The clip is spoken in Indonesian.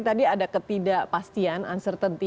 tadi ada ketidakpastian uncertainty